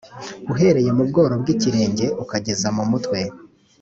uhereye mu bworo bw ikirenge ukageza mu mutwe